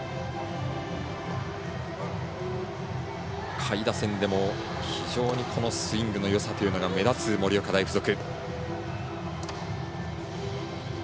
下位打線でも非常にスイングのよさというのが目立つ盛岡大付属。